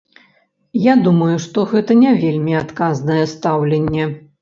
Я думаю, што гэта не вельмі адказнае стаўленне.